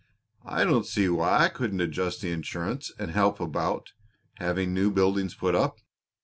"I don't see why I couldn't adjust the insurance and help about having new buildings put up.